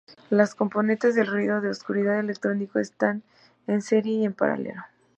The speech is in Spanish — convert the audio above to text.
Las componentes del ruido de oscuridad electrónico están en serie y en paralelo.